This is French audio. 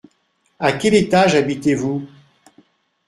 À quel étage habitez-vous ?